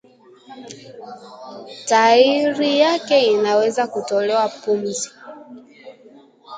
tairi yake inaweza kutolewa pumzi